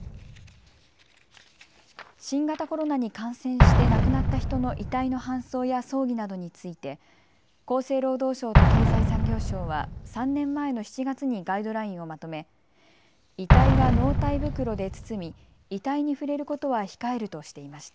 新型コロナに感染して亡くなった人の遺体の搬送や葬儀などについて厚生労働省と経済産業省は３年前の７月にガイドラインをまとめ遺体は納体袋で包み遺体に触れることは控えるとしていました。